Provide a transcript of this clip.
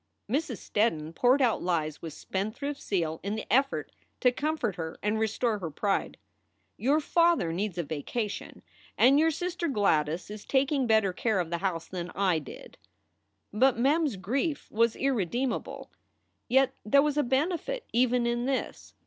Mrs. Steddon poured out lies with spendthrift zeal in the effort to comfort her and restore her pride. " Your father needs a vacation, and your sister Gladys Is taking better care of the house than I did." But Mem s grief was irredeemable. Yet there was a benefit even in this.